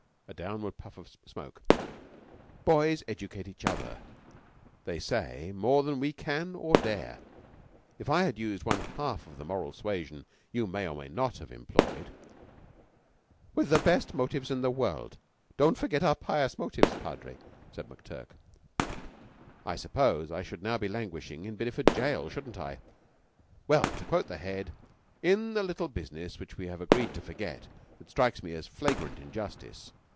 A downward puff of smoke. "Boys educate each other, they say, more than we can or dare. If I had used one half of the moral suasion you may or may not have employed " "With the best motives in the world. Don't forget our pious motives, Padre," said McTurk. "I suppose I should be now languishing in Bideford jail, shouldn't I? Well, to quote the Head, in a little business which we have agreed to forget, that strikes me as flagrant injustice...